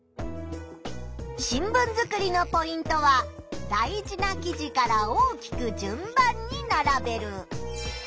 新聞作りのポイントは大事な記事から大きく・順番に並べる。